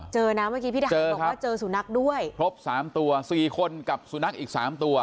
เจอนะเมื่อกี้พี่ทหารบอกว่าเจอสุนัขด้วยครบสามตัวสี่คนกับสุนัขอีกสามตัว